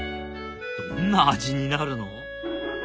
どんな味になるの？